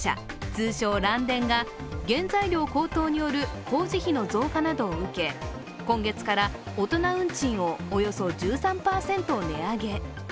通称・嵐電が原材料高騰による工事費の増加などを受け、今月から大人運賃をおよそ１３％値上げ。